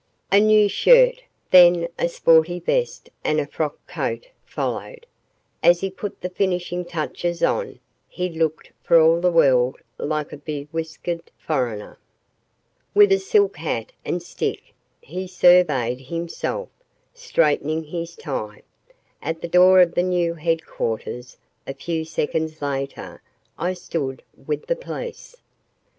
A new shirt, then a sporty vest and a frock coat followed. As he put the finishing touches on, he looked for all the world like a bewhiskered foreigner. With a silk hat and stick, he surveyed himself, straightening his tie. At the door of the new headquarters, a few seconds later, I stood with the police.